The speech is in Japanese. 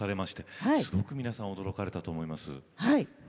すごく皆さん驚かれたと思います。